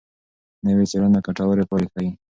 نوې څېړنه ګټورې پایلې ښيي.